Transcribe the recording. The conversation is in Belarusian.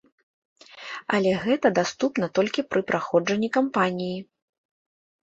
Але гэта даступна толькі пры праходжанні кампаніі.